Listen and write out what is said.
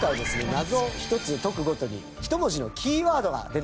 謎を１つ解く事に１文字のキーワードが出てきます。